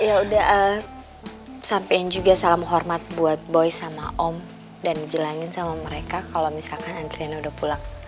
ya udah sampein juga salam hormat buat boy sama om dan gilangin sama mereka kalau misalkan andriana udah pulang